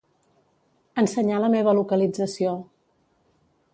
Ensenyar la meva localització.